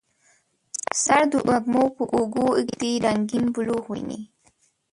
سر د وږمو په اوږو ږدي رنګیین بلوغ ویني